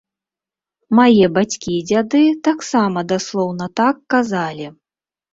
Мае бацькі і дзяды таксама даслоўна так казалі.